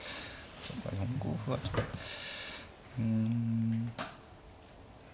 うん。